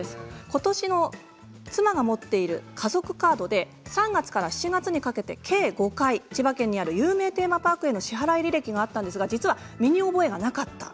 今年、妻が持っている家族カードで３月から７月にかけて計５回千葉県にある有名テーマパークへの支払い履歴があったんですが実は身に覚えがなかった。